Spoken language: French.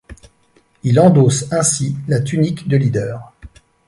Il endosse ainsi la tunique de leader.